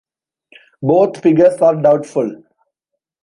Both figures are doubtful.